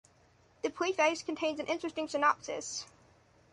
The preface contains an interesting synopsis.